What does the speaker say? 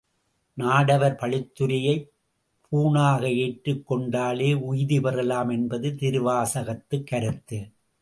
நாடவர் பழித்துரையைப் பூணாக ஏற்றுக் கொண்டாலே உய்தி பெறலாம் என்பது திருவாசகக் கருத்து.